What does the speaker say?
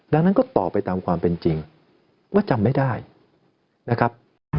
ดังนั้นก็ตอบไปตามความเป็นจริงว่าจำไม่ได้นะครับ